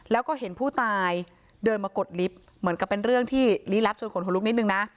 แล้วก็เห็นผู้ตายเดินมากดลิฟต์เหมือนกับเป็นเรื่องที่ลี้ลับชวนขนลุกนิดนึงนะ